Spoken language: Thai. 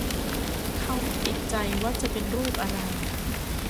เขาไม่ติดใจว่าจะเป็นรูปอะไร